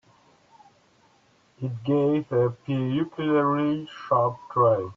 It gave a peculiarly sharp cry.